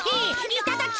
いただき。